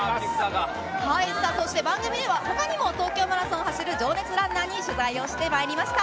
番組では他にも東京マラソンを走る情熱ランナーに取材をしてまいりました。